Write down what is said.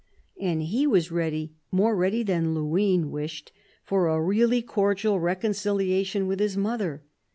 And he was ready, more ready than Luynes wished, for a really cordial reconcilia tion with his mother.